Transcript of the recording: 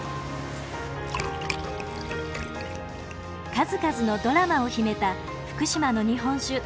数々のドラマを秘めた福島の日本酒。